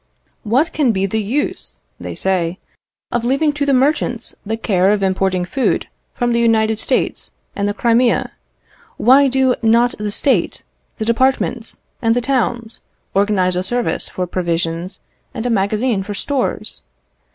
"What can be the use," they say, "of leaving to the merchants the care of importing food from the United States and the Crimea? Why do not the State, the departments, and the towns, organize a service for provisions and a magazine for stores?